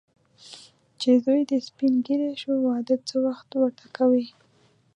چې زوی دې سپین ږیری شو، واده څه وخت ورته کوې.